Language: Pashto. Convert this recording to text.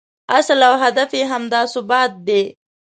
اصل او هدف یې همدا ثبات دی.